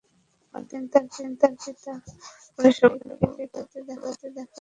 পরদিন তার পিতা পরিবারের সবাইকে ডেকে পূর্বরাতে দেখা স্বপ্নের কথা বলে।